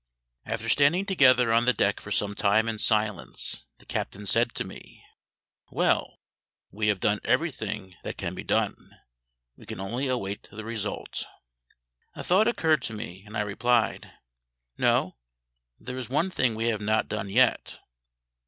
After standing together on the deck for some time in silence, the captain said to me, "Well, we have done everything that can be done; we can only await the result." A thought occurred to me, and I replied, "No, there is one thing we have not done yet."